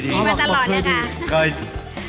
ดีมาตลอดเลยค่ะ